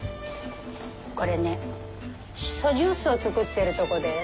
これねしそジュースを作ってるとこです。